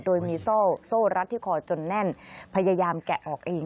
โดยมีโซ่โซ่รัดที่คอจนแน่นพยายามแกะออกเอง